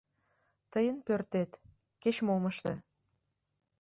Тыйын пӧртет — кеч-мом ыште.